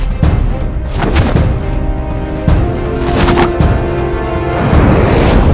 kamu harus berhenti menyerangku